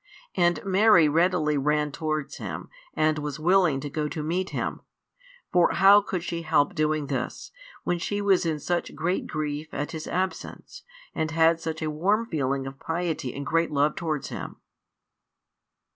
And Mary readily ran towards Him, and was willing to go to meet Him. For how could she help doing this, when she was in such great grief at His absence, and had such a warm feeling of piety and great love towards Him?